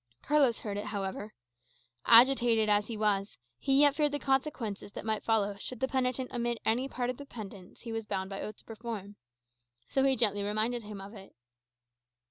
Carlos heard it, however. Agitated as he was, he yet feared the consequences that might follow should the penitent omit any part of the penance he was bound by oath to perform. So he gently reminded him of it.